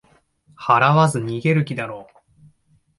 払わず逃げる気だろう